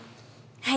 はい。